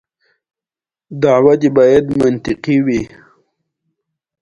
دا په منځنۍ پېړۍ کې د اروپا فیوډالي نظام و.